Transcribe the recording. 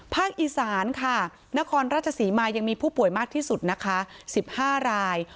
อีสานค่ะนครราชศรีมายังมีผู้ป่วยมากที่สุดนะคะ๑๕ราย